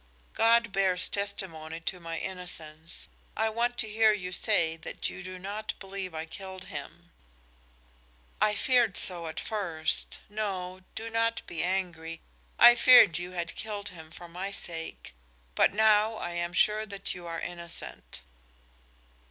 God bears testimony to my innocence. I want to hear you say that you do not believe I killed him." "I feared so at first, no, do not be angry I feared you had killed him for my sake. But now I am sure that you are innocent."